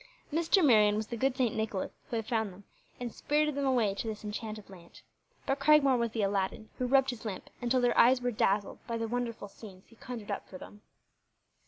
Mr. Marion was the good St. Nicholas who had found them, and spirited them away to this enchanted land; but Cragmore was the Aladdin who rubbed his lamp until their eyes were dazzled by the wonderful scenes he conjured up for them.